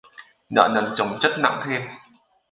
Nợ nần chồng chất nặng thêm